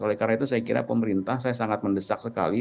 oleh karena itu saya kira pemerintah saya sangat mendesak sekali